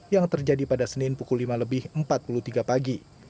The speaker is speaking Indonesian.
yang terjadi pada senin pukul lima lebih empat puluh tiga pagi